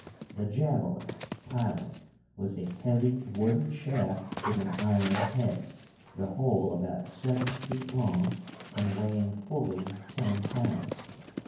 The javelin (pilum) was a heavy wooden shaft with an iron head, the whole about seven feet long and weighing fully ten pounds.